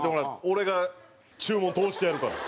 俺が注文通してやるから。